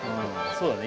そうだね。